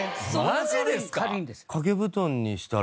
マジですか？